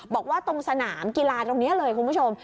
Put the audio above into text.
บอกว่าตรงสนามกีฬาตรงนี้เลยคุณผู้ชม